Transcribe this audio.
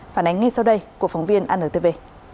phản ánh ngay sau đây của phóng viên anntv